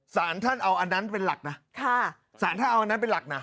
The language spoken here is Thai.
สารท่านเอาอันนั้นเป็นหลักนะค่ะสารถ้าเอาอันนั้นเป็นหลักนะ